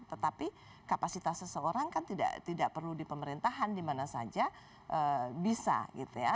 tetapi kapasitas seseorang kan tidak perlu di pemerintahan dimana saja bisa gitu ya